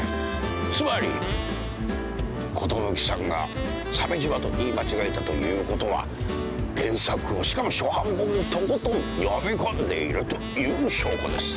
つまり寿さんが「鮫島」と言い間違えたということは原作をしかも初版本をとことん読み込んでいるという証拠です。